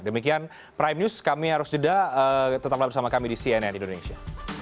demikian prime news kami harus jeda tetaplah bersama kami di cnn indonesia